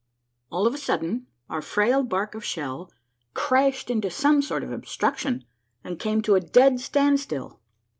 All of a sudden our frail bark of shell crashed into some sort of obstruction, and came to a dead standstill.